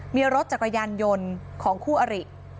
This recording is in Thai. มีรถจักรยานยนต์ของคู่อริ